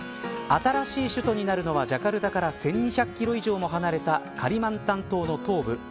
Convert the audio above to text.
新しい首都になるのはジャカルタから１２００キロ以上も離れたカリマンタン島の東部